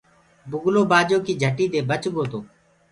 بُگلو بآجو ڪي جھٽي دي بچ گوتو۔